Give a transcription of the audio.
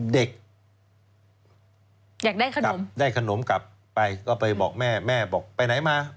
เด็กได้ขนมกลับไปก็ไปบอกแม่แม่บอกไปไหนมา